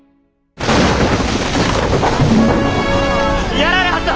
やられはった！